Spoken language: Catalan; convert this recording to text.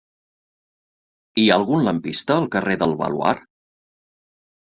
Hi ha algun lampista al carrer del Baluard?